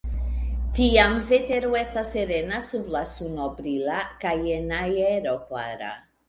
Tiam vetero estas serena sub la suno brila kaj en aero klara.